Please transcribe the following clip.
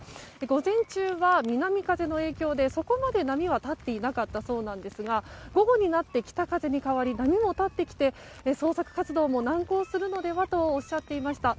午前中は南風の影響でそこまで波は立っていなかったそうですが午後になって北風に変わり波も立ってきて捜索活動も難航するのではとおっしゃっていました。